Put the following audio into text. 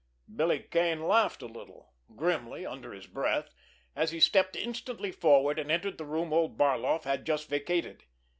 Billy Kane laughed a little, grimly under his breath, as he stepped instantly forward and entered the room old Barloff had just vacated.